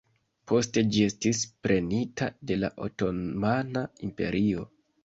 Poste ĝi estis prenita de la Otomana Imperio.